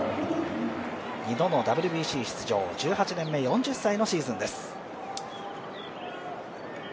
２度のＷＢＣ出場、１８年目、４０歳のシーズンです。